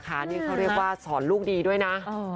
นี่เขาเรียกว่าสอนลูกดีด้วยนะ